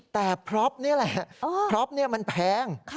แต่พรอปเนี่ยแหละพรอปเนี่ยมันแพง